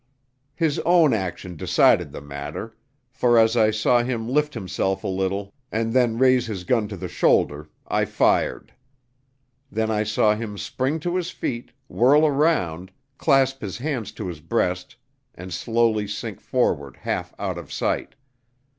His own action decided the matter, for, as I saw him lift himself a little and then raise his gun to the shoulder, I fired. Then I saw him spring to his feet, whirl around, clasp his hands to his breast and slowly sink forward half out of sight.